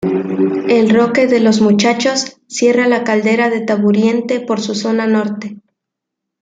El Roque de los Muchachos cierra la Caldera de Taburiente por su zona norte.